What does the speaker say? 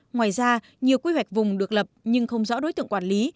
ngoài ra nhiều quy hoạch vùng được lập nhưng không rõ đối tượng quản lý